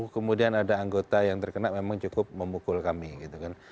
kemudian ada anggota yang terkena memang cukup memukul kami gitu kan